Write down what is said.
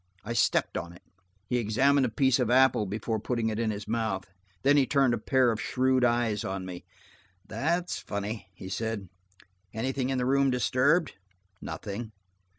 I stepped on it." He examined a piece of apple before putting it in his mouth. Then he turned a pair of shrewd eyes on me. "That's funny," he said. "Anything in the room disturbed?" "Nothing."